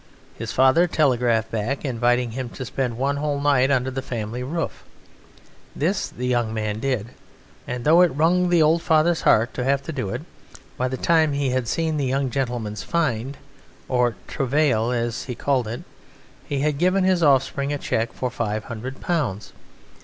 His father telegraphed back inviting him to spend one whole night under the family roof. This the young man did, and, though it wrung the old father's heart to have to do it, by the time he had seen the young gentleman's find (or trouvaille as he called it) he had given his offspring a cheque for five hundred pounds.